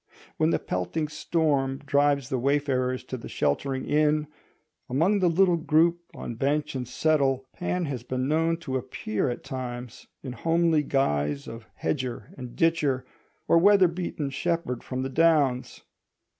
When the pelting storm drives the wayfarers to the sheltering inn, among the little group on bench and settle Pan has been known to appear at times, in homely guise of hedger and ditcher or weather beaten shepherd from the downs.